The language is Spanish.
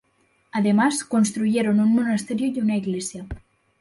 Además, construyeron un monasterio y una iglesia.